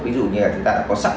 ví dụ như là chúng ta đã có sẵn